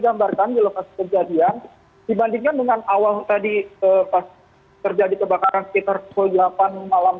jadi api yang terjadi di lokasi kejadian dibandingkan dengan awal tadi pas terjadi kebakaran sekitar pukul delapan malam